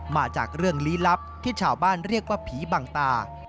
มาจากเรื่องลี้ลับที่ชาวบ้านเรียกว่าผีบังตา